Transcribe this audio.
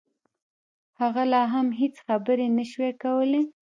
هغه لا هم هېڅ خبرې نشوای کولای